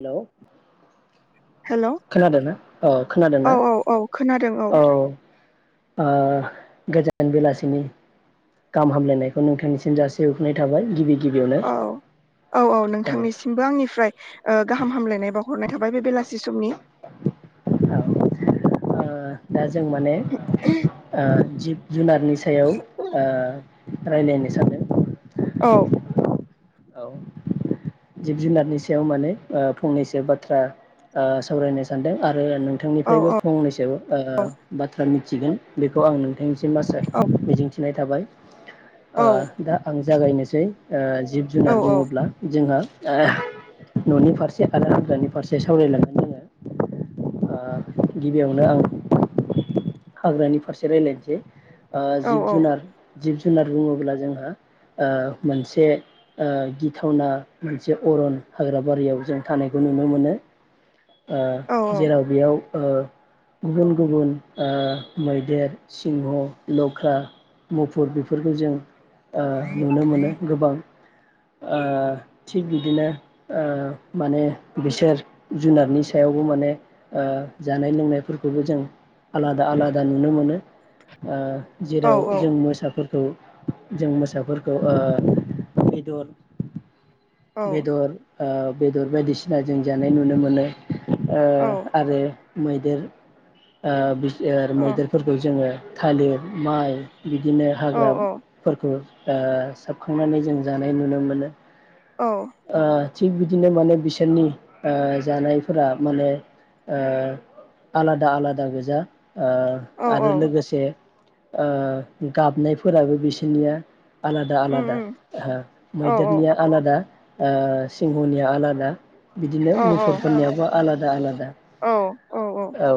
Hello hello औ खोनादों ना औ खोनादों औ ना? औ खोनादों औ। ओ गोजान बेलासिनि गाहाम हामलायनायखौ नोंथांनिसिम जासिहरग्रोनाय थाबाय गिबि गिबियावनो औ औ औ नोंथांनिसिमबो आंनिफ्राय ओ गाहाम हामलायनाय बाव हरनाय थाबाय बे बेलासि समनि। [inaudible] ओ दा जों ओ माने जिब जुनारनि सायाव ओ रायलायनो सानो औ जिब जुनारनि सायाव माने आ फंनैसो बाथ्रा आ सावरायनो सानदों आरो औ नोंथांनिफ्रायबो औ फंनैसो ओ औ बाथ्रा मिथि थिगोन बेखौ आं नोंथांनि सिम आसा औ मिजिंथिनाय थाबाय। ओ औ दा आं जागायनोसै ओ जिब औ जुनार बुङोब्ला जोंहा आ न'नि फारसे आरो हाग्रानि फारसे सावरायलांगोन जोङो। ओ गिबियावनो आं हाग्रानि फारसे रायलायनोसै। ओ औ जिब जुनार जिब जुनार बुङोब्ला जोंहा ओ मोनसे ओ गिथावना मोनसे अरन हाग्राबारियाव जों थानायखौ नुनो मोनो। ओ जेराव बेयाव ओ गुबुन गुबुन ओ मैदेर सिंह लख्रा मुफुर बेफोरखौ जों ओ नुनो मोनो गोबां। ओ थिग बिदिनो ओ माने बिसोर जुनारनि सायावबो माने ओ जानाय लोंनायफोरखौबो जों आलादा आलादा नुनो मोनो। ओ औ जेराव जों मोसाफोरखौ जों मोसाफोरबादि ओ दर बेदर ओ बेदर बायदिसिना जों जानाय नुनो मोनो। ओ आरो मैदेर ओ मैदेरफोरखौ जोङो थालिर माइ बिदिनो हाग्राफोरखौ सोबखांनानै जों जानाय नुनो मोनो औ ओ थिग बिदिनो माने बिसोरनि ओ जानायफोरा माने ओ आलादा आलादा गोजा, ओ औ आरो औ लोगोसे ओ गाबनायफोराबो बिसोरनिया आलादा उम आलादा उम औ औ मैदेरनिया आलादा सिंहनिया आलादा बिदिनो औ मुफुरफोरनियाबो आलादा आलादा औ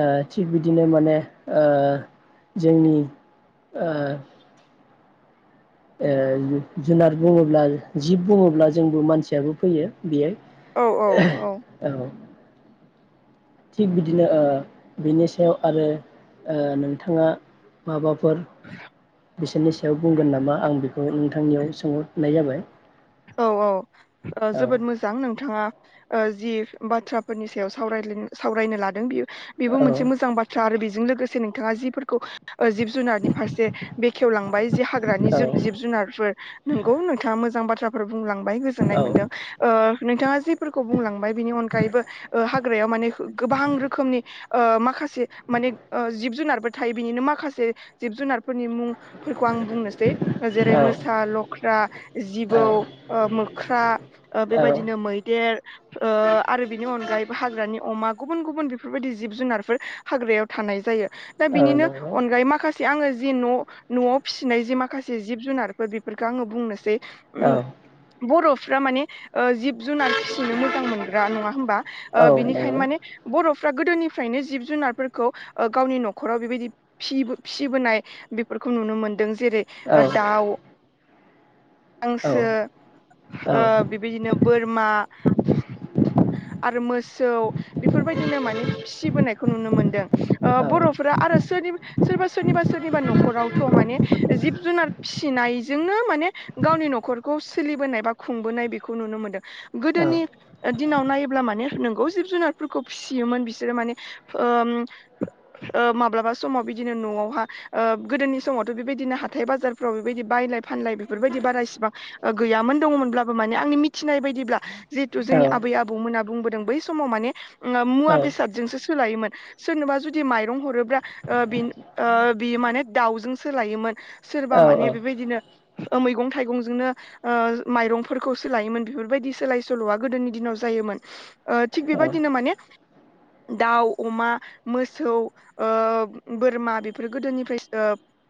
ओ थिग बिदिनो माने ओ जोंनि ओ जुनार बुङोब्ला जिब बुङोब्ला जोंबो मानसियाबो फैयो बियो औ थिग बिदिनो ओ बिनि सायाव आरो ओ नोंथाङा माबाफोर फोर बिसोरनि सायाव बुंगोन नामा आं बेखौ खौ नोंथांनियाव सोंहरनाय जाबाय औ औ जोबोद मोजां नोंथाङा ओ जि बाथ्राफोरनि सायाव साव सावरायनो लादों बियो बेबो औ मोनसे मोजां बाथ्रा आरो बे जों लोगोसे नोंथाङा जिफोरखौ जिब जुनारनि फारसे बेखेवलांबाय जे हाग्रानि औ जु जिब जुनारफोर नोंगौ नोंथाङा मोजां बाथ्रा बुंलांबाय गोजोननाय औ मोन्दों ओ नोंथाङा जेफोरखौ बुंलांबाय बिनि अनगायैबो ओ हाग्रायाव माने गोबां रोखोमनि ओ माखासे माने ओ जिब जुनारबो थायो बिनिनो माखासे जिब जुनारफोरनि मुं फोरखौ आं बुंनोसै जेरै औ मोसा लख्रा औ जिबौ ओ मोख्रा ओ औ बेबायदिनो मैदेर ओ आरो बि नि अनगायैबो हाग्रानि अमा गुबुन गुबुन बेफोरबायदि जिब जुनारफोर हाग्रायाव थानाय जायो दा बिनिनो नंगौ अनगायै माखासे से आङो जि न' न'आव फिसिनाय जि माखासे जिब जुनारफोर बेफोरखो आङो बुंनोसै औ औ उम नंगौ औ बर'फ्रा माने ओ जिब जुनार फिसिनो मोजां मोनग्रा नङा होमबा ओ औ बिनिखायनो माने बर' फ्रा गोदोनिफ्रायनो जिब जुनारफोरखौ ओ गावनि न'खराव बेबायदि फि फिसिबोनाय बेफोरखौ नुनो मोनदों जेरै औ ओ दाउ हांसो ओ औ बेबायदिनो बोरमा आरो मोसौ बेफोरबायदिनो माने फिसिबोनायखौ नुनो मोनदों ओ बर'फोरा आरो सोरनिबा सोरबा सोरनिबा सोरनिबा न'खरावथ' माने जिब जुनार फिसिनायजोंनो माने गावनि न'खरखौ सोलिबोनाय बा खुंबोनाय बेखौ नुनो मोन्दों गोदोनि दिनाव नायोब्ला माने नोंगौ जिब जुनारफोरखौ फिसियोमोन बिसोरो माने ओ ओ माब्लाबा समाव बिदिनो न'आवहा ओ गोदोनि समावथ' बेबायदिनो हाथाय बाजारफ्राव बेबायदि बायलाय फानलाय बेफोरबायदि बारा इसेबां गैयामोन दङमोनब्लाबो माने आंनि मिथिनाय बायदिब्ला जिहेतु जोंनि आबै औ आबौमोनाबो बुंबोदों बै समाव माने मुवा बेसादजोंसो सोलायोमोन सोरनोबा जुदि माइरं हरोब्ला बे बियो माने दाउजों सोलायोमोन सोरबा माने बेबायदिनो मैगं थाइगंजोंनो माइरंफोरखौ सोलायोमोन बेफोरबायदि सोलाय सोल'आ गोदोनि दिनाव जायोमोन ओ थिग बेबायदिनो माने दाउ, अमा, मोसौ, ओ बोरमा बेफोरो गोदोनिफ्राय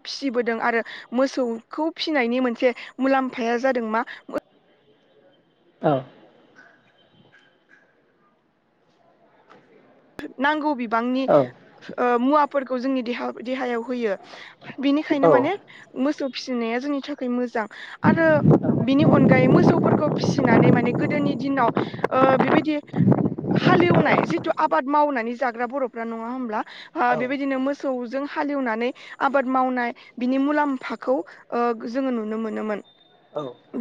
फिसिबोदों आरो मोसौखौ फिसिनायनि मोनसे मुलाम्फाया जादों मा औ। नांगौ बिबांनि मुवाफोरखौ जोंनि देहा देहायाव होयो। औ बिनिखायनो माने मोसौ फिसिनाया जोंनि थाखाय मोजां आरो बिनि अनगायै मोसौफोरखौ फिसिनानै माने गोदोनि दिनाव बेबायदि हालेवनाय जिहेथु आबाद मावनानै जाग्रा बर'फ्रा नङा होमब्ला बेबायदिनो मोसौजों हालेवनानै आबाद मावनाय बिनि मुलाम्फाखौ ओ जोङो नुनो मोनोमोन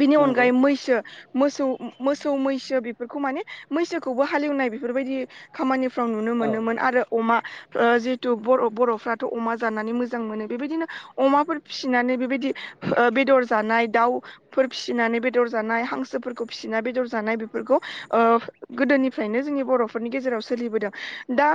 बिनि नंगौ अनगायै मैसो मोसौ मोसौ मैसो बेफोरखौ माने मैसोखौबो हालेवनाय बेफोरबायदि खामानिफ्राव नुनो औ मोनोमोन आरो अमा जिहेथु बर' बर'फ्राथ' अमा जानानै मोजां मोनो बेबायदिनो अमाफोर फिसिनानै बेबायदि बेदर जानाय दाउफोर फिसिनानै बेदर जानाय हांसोफोरखौ फिसिना बेदर जानाय बेफोरखौ ओ गोदोनिफ्रायनो जोंनि बर'फोरनि गेजेराव स सोलिबोदों दा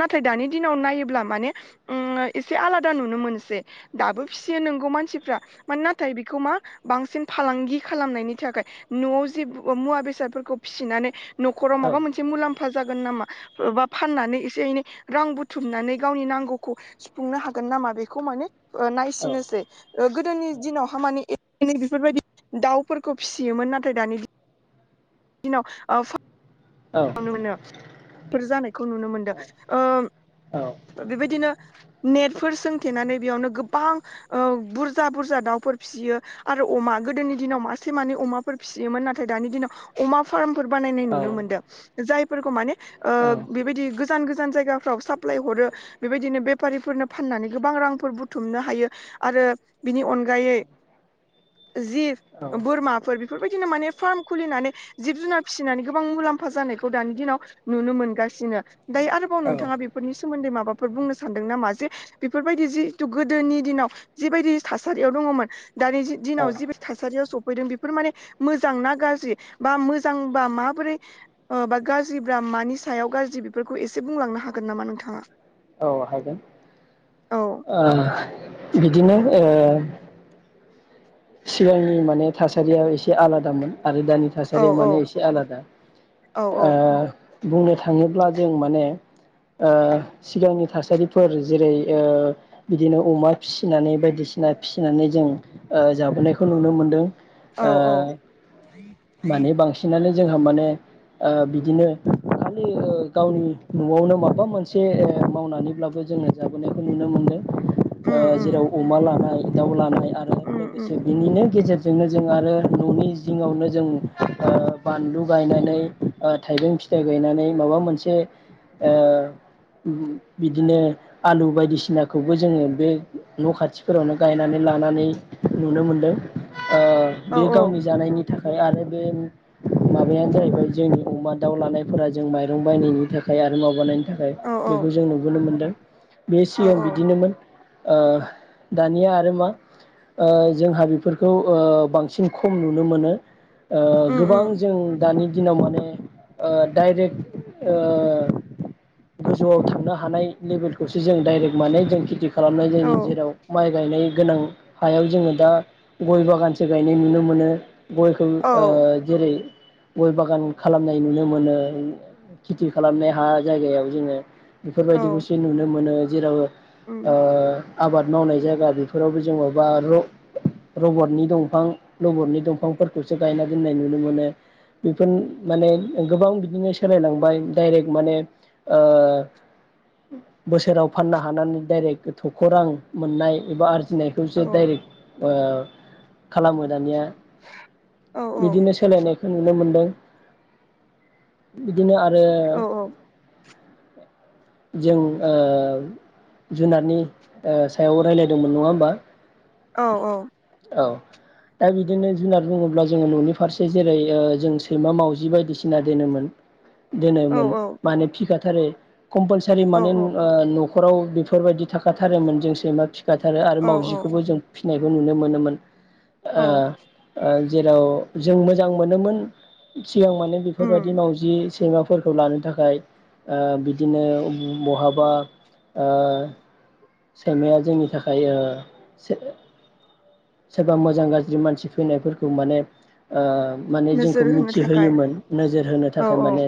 नाथाय दानि दिनाव नायोब्ला माने उम्म एसे आलादा नुनो मोनसै दाबो फिसियो नोंगौ मानसिफ्रा माने नाथाय बेखौ मा बांसिन फालांगि खालामनायनि थाखाय न'आव जे मुवा बेसादफोरखौ फिसिनानै न'खराव माबा औ मोनसे मुलाम्फा जागोन नामा? बा फाननानै एसे एनै रां बुथुमनानै गावनि नांगौखौ सुफुंनो हागोन नामा बेखौ माने नायसिनोसै गोदोनि दिनावहा माने ए एनै बेफोरबायदि दाउफोरखौ फिसियोमोन नाथाय दानि दिनाव औ नुनो मोनो फोर जानायखौ नुनो मोनदों। औ बेबायदिनो नेटफोर सोंथेनानै बेयावनो गोबां बुरजा बुरजा दाउफोर फिसियो आरो अमा गोदोनि दिनाव मासे मानै अमाफोर फिसियोमोन नाथाय दानि दिनाव अमा फार्म फोर बानायनाय औ नुनो मोन्दों। जायफोरखौ माने ओ बेबायदि गोजान गोजान जायगाफ्राव साप्लाय हरो बेबायदिनो बेफारिफोरनो फाननानै गोबां रांफोर बुथुमनो हायो आरो बिनि अनगायै जि औ बोरमाफोर बेफोरबायदिनो माने फार्म खुलिनानै जिब जुनार फिसिनानै गोबां मुलाम्फा खाफा जानायखौ दानि दिनाव नुनो मोनगासिनो। दायो आरोबाव औ नोंथाङा बेफोरनि सोमोन्दै माबाफोर बुंनो सानदों नामा जे बेफोरबायदि जिहेथु गोदोनि दिनाव जिबायदि थासारियाव दङमोन। दानि औ दिनाव जि था थासारियाव सफैदों बेफोर माने मोजां ना गाज्रि बा मोजांबा माबोरै गाज्रि ब्रा मानि सायाव गाज्रि बेफोरखौ एसे बुंलांनो हागोन नामा नोंथाङा? औ हागोन औ ओ बिदिनो ओ सिगांनि माने थासारिया एसे आलादामोन। आरो दानि औ थासारिया माने एसे आलादा औ ओ औ बुंनो थाङोब्ला जों माने ओ सिगांनि थासारिफोर जेरै ओ बिदिनो अमा फिसिनानै बायदिसिना फिसिनानै जों ओ जाबोनायखौ नुनो मोनदों। औ ओ औ माने बांसिनानो जोंहा माने ओ बिदिनो खालि ओ गावनि न'आवनो माबा मोनसे मावनानैब्लाबो जोङो जाबोनायखौ नुनो मोनो उम उम जेराव अमा लानाय दाउ लानाय। आरो उम उम लोगोसे बिदिनो गे जोंनो जों आरो न'नि जिङावनो जों ओ बानलु गायनानै ओ थाइबें फिथाइ गायनानै माबा मोनसे ओ उम बिदिनो आलु बायदिसिनाखौबो जोङो बे न' खाथिफोरावनो गायनानै लानानै नुनो मोनदों। ओ औ बियो गावनि जानायनि थाखाय आरो बे माबायानो जाहैबाय जोंनि अमा दाउ लानायफोरा जों माइरं बायनायनि थाखाय आरो माबानायनि थाखाय औ बेखौ जों नुबोनो मोनदों। बे औ सिगां औ बिदिनोमोन। ओ दानिया आरो मा ओ जोंहा बेफोरखौ ओ बांसिन खम नुनो मोनो। ओ उम गोबां उम जों दानि दिनाव माने ओ डाइरेक्ट ओ गोजौआव थांनो हानाय लेभेलखौसो जों डाइरेक्ट माने जों खेथि खालामनाय औ जायो जेराव माइ गायनाय गोनां हायाव जोङो दा गय बागानसो गायनाय नुनो मोनो। गयखौ औ ओ जेरै गय बागान खालामनाय नुनो मोनो खेथि खालामनाय हा जायगायाव जोङो। औ बेफोरबायदिखौसो नुनो मोनो। जेराव ओ उम आबाद मावनाय जायगा बेफोरावबो जोङो बा र रबटनि दंफां रबटनि दंफांफोरखौसो गायना दोननाय नुनो मोनो बेफोर माने गोबां बिदिनो सोलायलांबाय डाइरेक्ट माने ओ बोसोराव फाननो हानानै डाइरेक्ट थख' रां मोननाय एबा आरजिनाय [unintelligible] औ दाडाइरेक्ट ओ खालामो दानिया। औ बिदिनो सोलायनाय नुनो मोनदों [inaudible] बिदिनो आरो औ जों ओ जुनारनि ओ सायाव रायलायदोंमोन नङा होमबा? औ औ। औ दा बिदिनो जुनार बुङोब्ला जोङो न'नि फारसे जेरै- ओ जों सैमा मावजि बायदिसिना दोनोमोन। औ दोनोमोन माने फिखा थारै कम्पालसारि औ माने ओ न ' खराव बेफोरबायदि थाखाथारोमोन जों सैमा फि खाथारो आरो औ औ मावजिखौबो जों फिनायखौ नुनो मोनोमोन। ओ औ ओ। जेराव जों मोजां मोनोमोन। सिगां माने बेफोरबादि उम मावजि सैमाफोरखौ लानो थाखाय ओ बिदिनो उम बहाबा ओ सैमाया जोंनि थाखाय ओ स सोरबा मोजां गाज्रि मानसि फैनायफोरखौ माने ओ माने जोंखौ नोजोर होनो थाखाय मिथिहोयोमोन नोजोर होनो औ थाखाय औ माने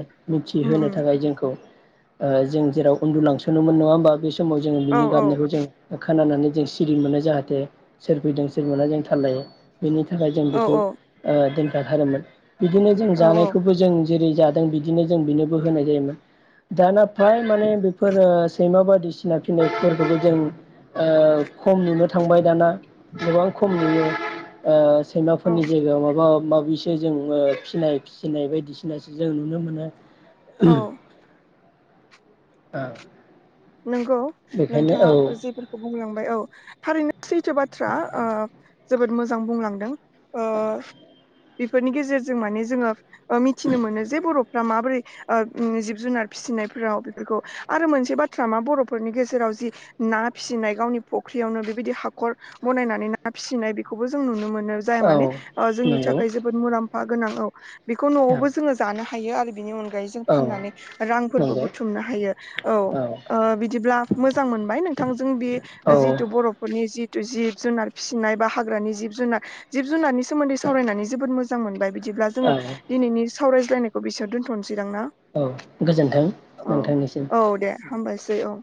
उम मिथिहोनो उम थाखाय जोंखौ ओ जों जेराव उन्दुलांसनोमोन नङा होमबा बे स समाव जोङो औ बिनि औ गाबनायखौ जों खोनानानै जों सिरि मोनो जाहाथे सोर फैदों मोनना जों थाललायो। बेनि थाखाय जों औ बेखौ ओ दोन जाथारोमोन। बिदिनो जों औ औ जानायखौबो जों जेरै जादों बिदिनो जों बेनोबो होनाय जायोमोन दाना फ्राय माने बेफोर ओ सैमा बायदि सि [unintelligible] जों ओ खम नुनो थांबाय दाना। गोबां खम नुयो। ओ औ सैमाफोरनि जायगायाव माबा माब बिसो जों फिनाय फिसिनाय बायदिसिनासो जों नुनो मोनो। औ ओ नंगौ नोंथाङा जेफोरखौ बुंलांबाय औ। थारैनो सैथो बाथ्रा ओ जोबोद मोजां बुंलांदों ओ बेफोरनि गेजेरजों माने जोङो ओ मिथिनो मोनो जे बर'फ्रा माबोरै ओ उम जिब जुनार फिसिनायफोराव बेफोरखौ आरो मोनसे बा थ्रामा बर'फोरनि गेजेराव जि ना फिसिनाय गावनि फख्रियावनो बेबायदि हाखर बनायनानै ना फिसिनाय बेखौबो जों नुनो मोनो। नो जाया औ माने जोंनि नंगौ थाखाय जोबोद मुलाम फा गोनां औ बेखौ औ न'आवबो जोङो जानो हायो आरो बिनि अन गायै जों औ फाननानै रांफोरबो नंगौ बुथुमनो हायो। औ ओ बिदिब्ला मोजां मोनबाय नोंथांजों बे औ जिथु बर'फोरनि जि जिब जुनार फिसिनाय बा हाग्रानि जिब जुनार जिब जुनारनि सोमोन्दै सावरायनानै जोबोद मोजां मोनबाय बिदिब्ला औ जोङो दिनैनि सावरायज्लनायखौ बिसोर दोनथ' औ गोजोन्थों नोंथांनिसिम। होमबास औ